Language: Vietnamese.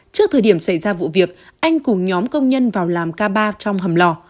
trước thời điểm xảy ra vụ việc anh cùng nhóm công nhân vào làm k ba trong hầm lò